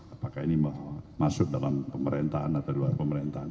apakah ini masuk dalam pemerintahan atau luar pemerintahan